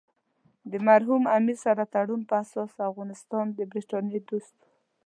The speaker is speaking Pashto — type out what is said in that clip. د مرحوم امیر سره تړون په اساس افغانستان د برټانیې دوست وو.